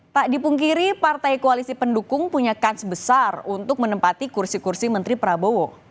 tak dipungkiri partai koalisi pendukung punya kans besar untuk menempati kursi kursi menteri prabowo